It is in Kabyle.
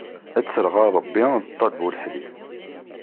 Ad ttreɣ ɣer Ṛebbi, d ṭṭaleb uleḥḍir.